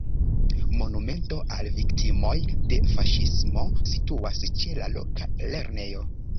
Monumento al viktimoj de faŝismo situas ĉe la loka lernejo.